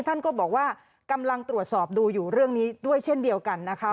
ท่านก็บอกว่ากำลังตรวจสอบดูอยู่เรื่องนี้ด้วยเช่นเดียวกันนะคะ